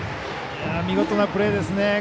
見事なプレーですね。